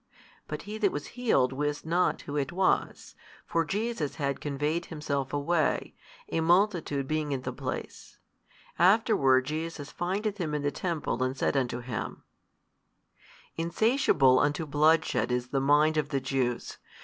But he that was healed wist not Who it was: for Jesus had conveyed Himself away, a multitude being in the place. Afterward Jesus findeth him in the temple and said unto him, Insatiable unto bloodshed is the mind of the Jews.